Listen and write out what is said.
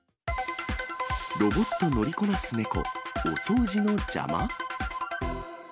ロボット乗りこなす猫、お掃除の邪魔？